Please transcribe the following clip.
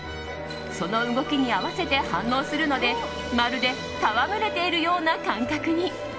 その動きに合わせて反応するのでまるで、戯れているような感覚に。